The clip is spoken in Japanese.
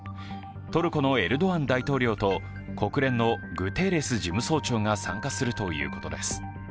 トルコのエルドアン大統領と国連のグテーレス事務総長が参加するということです。